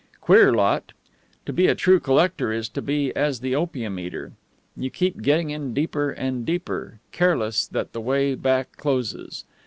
Queer lot. To be a true collector is to be as the opium eater: you keep getting in deeper and deeper, careless that the way back closes.